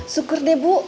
syukur deh bu